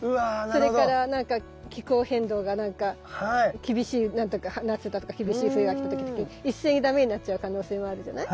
それから気候変動が何か厳しい夏だとか厳しい冬が来た時に一斉にだめになっちゃう可能性もあるじゃない。